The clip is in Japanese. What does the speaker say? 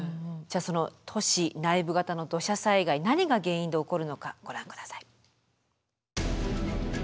じゃその都市内部型の土砂災害何が原因で起こるのかご覧下さい。